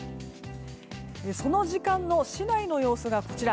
その時間の市内の様子がこちら。